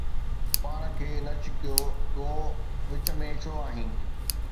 پاڻ کي نه ڇڪيو، تون وچ ۾ ڇو آهين؟